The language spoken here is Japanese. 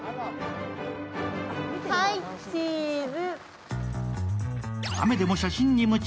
はい、チーズ！